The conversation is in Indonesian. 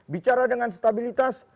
bicara dengan stabilitas